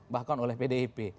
bahkan oleh pdip